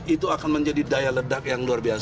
itu akan menjadi daya ledak yang luar biasa